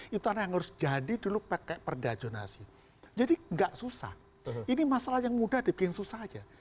itu tanah yang harus jadi dulu pakai perda jonasi jadi nggak susah ini masalah yang mudah dibikin susah aja